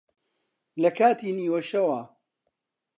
لە کاتی نیوەشەوا